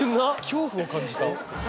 恐怖を感じた。